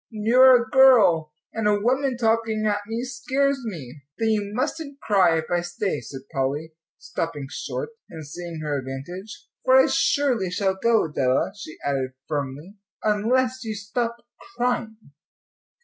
You're a girl; and a woman talking at me scares me." "Then you mustn't cry if I stay," said Polly, stopping short, and seeing her advantage, "for I surely shall go, Adela," she added firmly, "unless you stop crying."